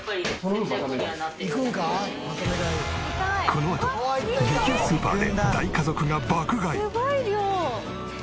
このあと激安スーパーで大家族が爆買い。